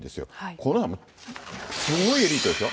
これはもうすごいエリートですよ。